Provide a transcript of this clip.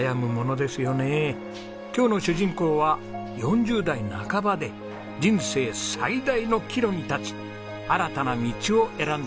今日の主人公は４０代半ばで人生最大の岐路に立ち新たな道を選んだ方です。